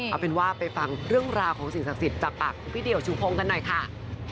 เอาเป็นว่าไปฟังเรื่องราวของสิ่งศักดิ์สิทธิ์จากปากพี่เดี่ยวชูพงศ์กันหน่อยค่ะ